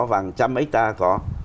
vàng trăm hectare có